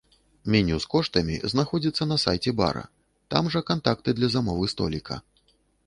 Меню з коштамі знаходзіцца на сайце бара, там жа кантакты для замовы століка.